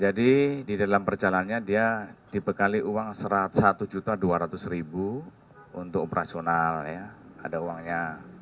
jadi di dalam perjalannya dia dibekali uang rp satu dua ratus untuk operasional ya ada uangnya